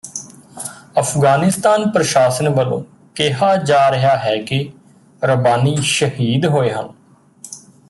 ਅਫ਼ਗਾਨਿਸਤਾਨ ਪ੍ਰਸ਼ਾਸਨ ਵਲੋਂ ਕਿਹਾ ਜਾ ਰਿਹਾ ਹੈ ਕਿ ਰਬਾਨੀ ਸ਼ਹੀਦ ਹੋਏ ਹਨ